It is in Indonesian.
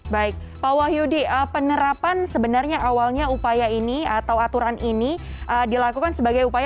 baik pak wahyudi penerapan sebenarnya awalnya upaya ini atau aturan ini dilakukan sebagai upaya